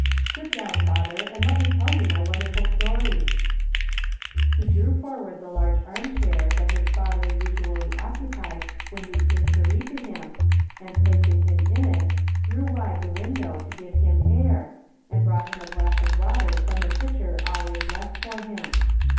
Sit down, father, and let nie tell wonderful story." oo was so ( are yon my He d lew forward tlie large arniehair that 1 us father usually oceu[)ied when he eanie to ivad to him, and plaeing hiiu in it, threw wide the win dow to give him air, and brought him a glass of Iter from the piteher always left for him.